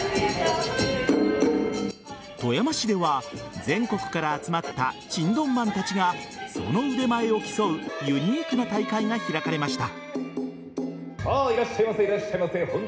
富山市では全国から集まったチンドンマンたちがその腕前を競うユニークな大会が開かれました。